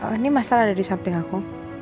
ini masalah ada disamping aku